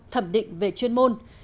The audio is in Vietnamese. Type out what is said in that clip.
thẩm định về chuyên môn